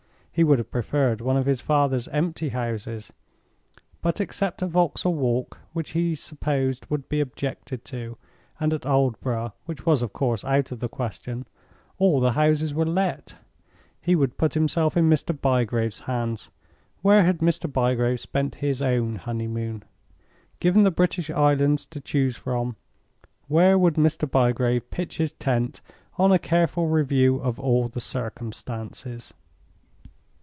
He would have preferred one of his father's empty houses: But except at Vauxhall Walk (which he supposed would be objected to), and at Aldborough (which was of course out of the question) all the houses were let. He would put himself in Mr. Bygrave's hands. Where had Mr. Bygrave spent his own honeymoon? Given the British Islands to choose from, where would Mr. Bygrave pitch his tent, on a careful review of all the circumstances?